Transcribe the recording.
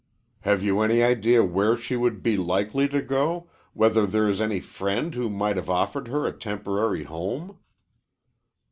"Have you any idea where she would be likely to go whether there is any friend who might have offered her a temporary home?"